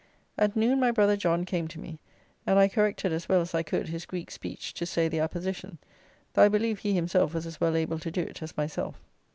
At noon my brother John came to me, and I corrected as well as I could his Greek speech to say the Apposition, though I believe he himself was as well able to do it as myself.